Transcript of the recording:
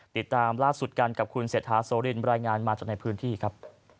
ติดตามล่าสุดกันกับคุณเศรษฐาโสรินรายงานมาจากในพื้นที่ครับ